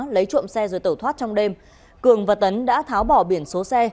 lấy trộm xe rồi tẩu thoát trong đêm cường và tấn đã tháo bỏ biển số xe